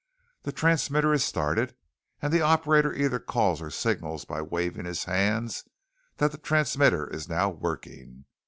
The transmitter is started, and the operator either calls or signals by waving his hands, that the transmitter is now working.